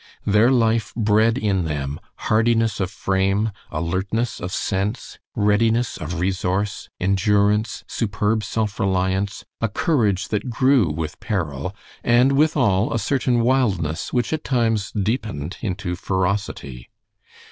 Their life bred in them hardiness of frame, alertness of sense, readiness of resource, endurance, superb self reliance, a courage that grew with peril, and withal a certain wildness which at times deepened into ferocity.